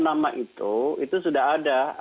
nama itu itu sudah ada